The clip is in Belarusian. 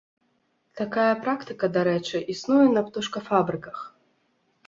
Такая практыка, дарэчы, існуе на птушкафабрыках.